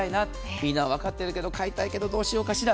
みんなわかってるけど買いたいけどどうしようかしら。